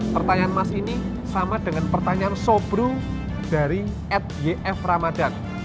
pertanyaan emas ini sama dengan pertanyaan sobru dari atyframadan